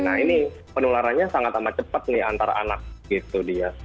nah ini penularannya sangat amat cepat nih antara anak gitu dia